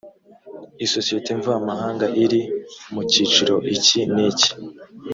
isosiyete mvamahanga iri mu cyiciro iki n iki